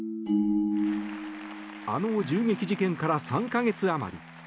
あの銃撃事件から３か月あまり。